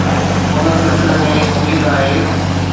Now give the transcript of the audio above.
ان سلسلي ۾ اميد آهي.